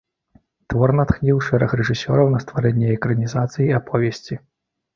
Твор натхніў шэраг рэжысёраў на стварэнне экранізацый аповесці.